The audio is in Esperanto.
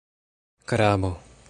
Krabo...